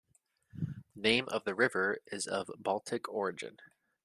The name of the river is of Baltic origin.